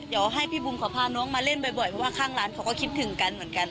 อยากว่าให้พี่บูมขอพาน้องมาเล่นบ่อยบ่อยเพราะว่าข้างร้านเขาก็คิดถึงกันเหมือนกันจ้ะ